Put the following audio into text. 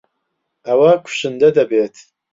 ئەوە کوشندە دەبێت.